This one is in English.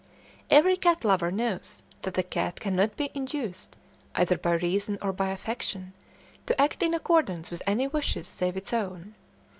Every cat lover knows that a cat cannot be induced, either by reason or by affection, to act in accordance with any wishes save its own.